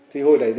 thì hồi đấy